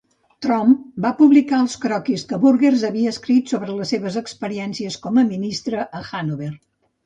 Tromp va publicar els croquis que Burgers havia escrit sobre les seves experiències com a ministre a Hannover.